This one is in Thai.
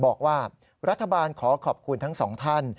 บอกว่ารัฐบาลขอขอบคุณทั้งสองท่าน